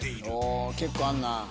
おお結構あんな。